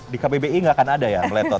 di kpbi nggak akan ada ya meletot